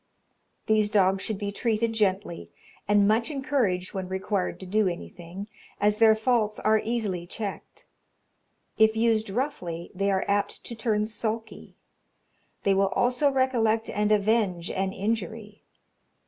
These dogs should be treated gently, and much encouraged when required to do anything, as their faults are easily checked. If used roughly, they are apt to turn sulky. They will also recollect and avenge an injury.